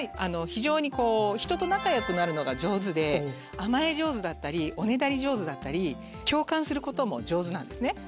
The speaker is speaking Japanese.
非常にこう人と仲良くなるのが上手で甘え上手だったりおねだり上手だったり共感することも上手なんですね。